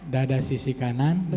dada sisi kanan betul